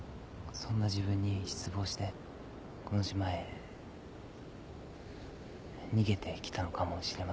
そんな自分に失望してこの島へ逃げてきたのかもしれません。